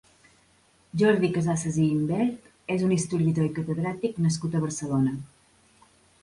Jordi Casassas i Ymbert és un historiador i catedràtic nascut a Barcelona.